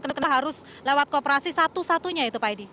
karena harus lewat koperasi satu satunya itu pak edi